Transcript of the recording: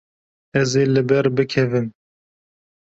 Ez ê li ber bikevim.